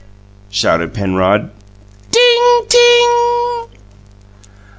shouted Penrod. "Ting ting!"